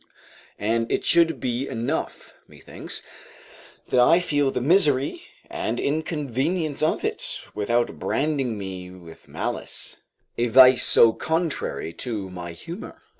And it should be enough, methinks, that I feel the misery and inconvenience of it, without branding me with malice, a vice so contrary to my humour.